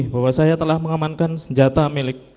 bahwa saya telah mengamankan senjata milik